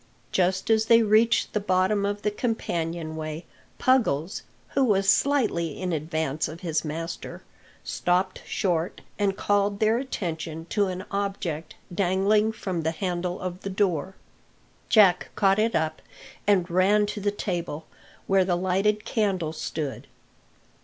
Just as they reached the bottom of the companion way, Puggles, who was slightly in advance of his master, stopped short, and called their attention to an object dangling from the handle of the door. Jack caught it up and ran to the table, where the lighted candle stood.